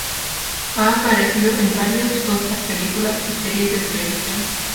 Ha aparecido en varios otras películas y series de televisión.